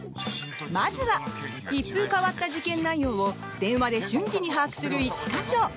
まずは、一風変わった事件内容を電話で瞬時に把握する一課長。